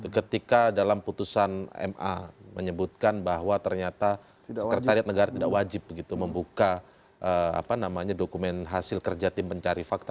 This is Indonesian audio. ketika dalam putusan ma menyebutkan bahwa ternyata sekretariat negara tidak wajib membuka dokumen hasil kerja tim pencari fakta